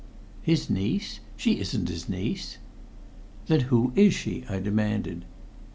"His niece? She isn't his niece." "Then who is she?" I demanded.